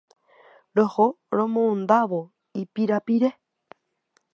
Roho romondávo ipirapire.